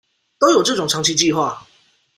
都有這種長期計畫